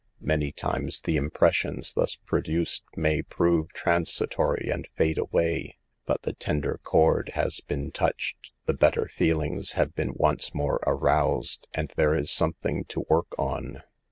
Many times the ■impressions thus produced may prove transi tory and fade away, but the tender chord has been touched, the better feelings have been once more aroused, and there is something to work on.